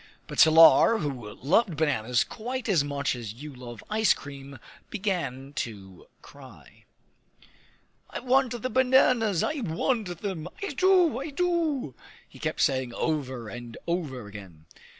But Salar, who loved bananas quite as much as you love ice cream, began to cry. "I want the bananas; I want them; I do, I do!" he kept saying over and over again.